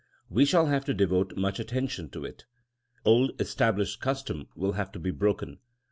We shall have to devote much attention to it. Old established custom will have to be broken.